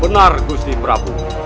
benar gusti prabu